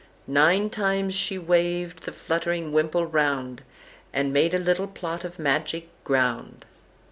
Nine times she waved the fluttering wimple round, And made a little plot of magic ground."